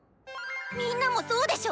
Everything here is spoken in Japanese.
みんなもそうでしょ？